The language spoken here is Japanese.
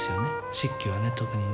漆器はね特にね。